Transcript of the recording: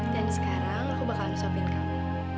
dan sekarang aku bakalan sopin kamu